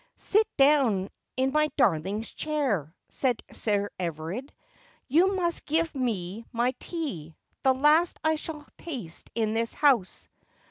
'Sit down in my darling's chair,' said Sir Everard. 'You must give me my tea — the last I shall taste in this house.'